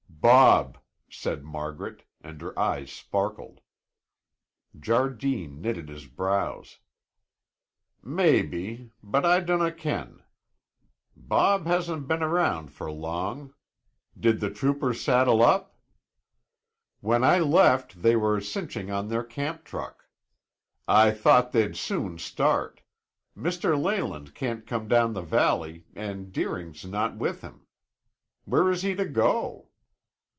"Bob," said Margaret and her eyes sparkled. Jardine knitted his brows. "Maybe, but I dinna ken; Bob hasna been around for long. Did the troopers saddle up?" "When I left, they were cinching on their camp truck. I thought they'd soon start. Mr. Leyland can't come down the valley and Deering's not with him. Where is he to go?"